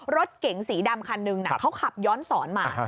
รถเก๋งสีดำคันหนึ่งเขาขับย้อนสอนมา